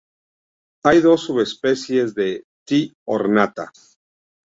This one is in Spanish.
Hay dos subespecies de "T. ornata".